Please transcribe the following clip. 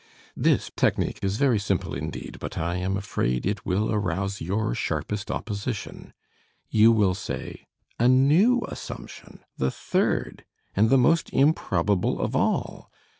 This technique is very simple indeed, but I am afraid it will arouse your sharpest opposition. You will say, "a new assumption. The third! And the most improbable of all!